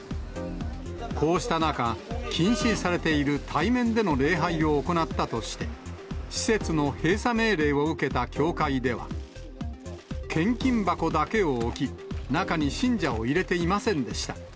こうした中、禁止されている対面での礼拝を行ったとして、施設の閉鎖命令を受けた教会では、献金箱だけを置き、中に信者を入れていませんでした。